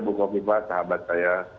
bukofifah sahabat saya